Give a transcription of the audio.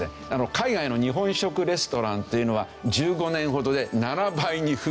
海外の日本食レストランっていうのは１５年ほどで７倍に増えていると。